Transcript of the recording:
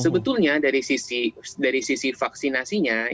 sebetulnya dari sisi vaksinasinya